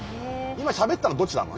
今しゃべったのどっちなの？